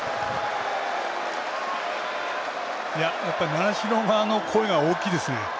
習志野側の声が大きいですね。